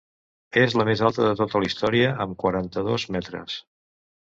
És la més alta de tota la història, amb quaranta-dos metres.